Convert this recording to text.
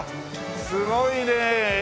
すごいねえ！